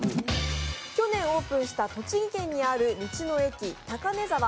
去年オープンした栃木県にある道の駅たかねざわ